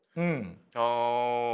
ああ。